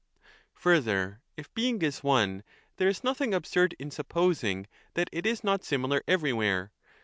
2 Further, if Being is one, there is nothing absurd in sup posing that it is not similar everywhere.